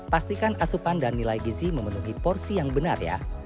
pastikan asupan dan nilai gizi memenuhi porsi yang benar ya